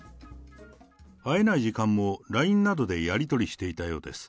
会えない時間も、ＬＩＮＥなどでやり取りしていたようです。